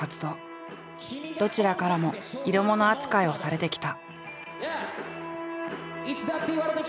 どちらからも色モノ扱いをされてきた。